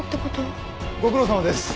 ご苦労さまです。